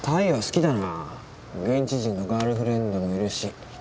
現地人のガールフレンドもいるし。